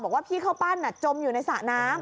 บอกว่าพี่เข้าปั้นจมอยู่ในสระน้ำ